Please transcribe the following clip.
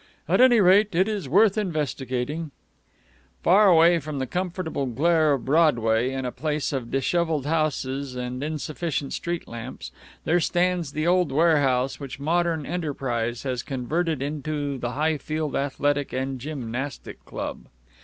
At any rate, it is worth investigating." Far away from the comfortable glare of Broadway, in a place of disheveled houses and insufficient street lamps, there stands the old warehouse which modern enterprise has converted into the Highfield Athletic and Gymnastic Club.